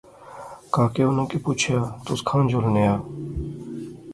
کاکے اُناں کی پُچھیا تس کھان جلنے آ